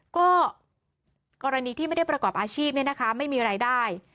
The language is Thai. ก็กรณีที่ไม่ได้ประกอบอาชีพเนี่ยนะคะไม่มีรายได้